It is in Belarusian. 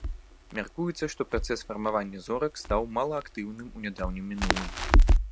Мяркуецца, што працэс фармавання зорак стаў малаактыўным у нядаўнім мінулым.